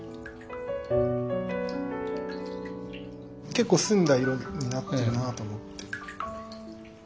結構澄んだ色になってるなと思って。